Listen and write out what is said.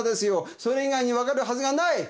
それ以外に分かるはずがない！